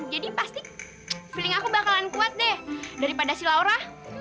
jadi pasti feeling aku bakalan kuat deh daripada si laura